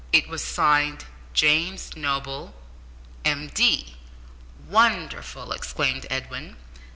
It was signed James Noble, M.D. "Wonderful!" exclaimed Edwin.